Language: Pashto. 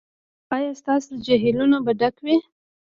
ایا ستاسو جهیلونه به ډک وي؟